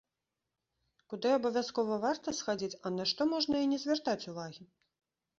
Куды абавязкова варта схадзіць, а на што можна і не звяртаць увагі?